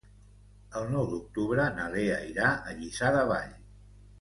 El nou d'octubre na Lea irà a Lliçà de Vall.